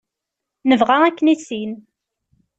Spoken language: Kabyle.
Nebɣa ad k-nissin.